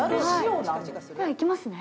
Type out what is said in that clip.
ではいきますね。